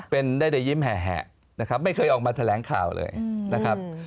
เป็นได้แต่ยิ้มแห่นะครับไม่เคยออกมาแถลงข่าวเลยนะครับ